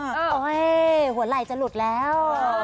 หัวไหล่จะหลุดแล้ว